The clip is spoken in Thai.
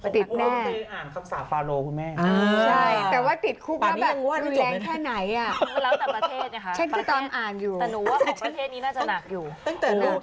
ติดแน่น่ะค่ะเพราะว่าพวกเธออ่านคำสาปฟาโรคุณแม่อ่าตอนนี้ยังรู้ว่าต้องจบไหม